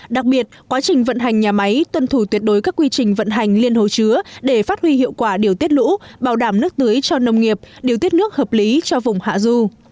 đặc biệt quá trình vận hành nhà máy tuân thủ tuyệt đối các quy trình vận hành liên hồ chứa để phát huy hiệu quả điều tiết lũ bảo đảm nước tưới cho nông nghiệp điều tiết nước hợp lý cho vùng hạ du